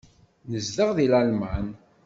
Nezdeɣ deg Lalman.